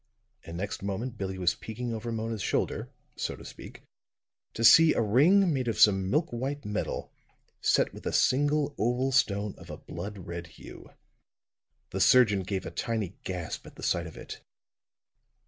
And next moment Billie was peeking over Mona's shoulder, so to speak, to see a ring made of some milk white metal, set with a single oval stone of a blood red hue. The surgeon gave a tiny gasp at the sight of it.